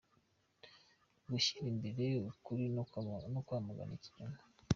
-Gushyira imbere ukuri no kwamagana ikinyoma;